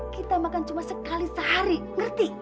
kita makan cuma sekali sehari ngerti